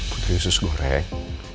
putri sus goreng